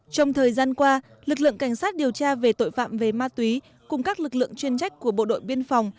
trong thời gian qua lực lượng cảnh sát điều tra về tội phạm về ma túy cùng các lực lượng chuyên trách của bộ đội biên phòng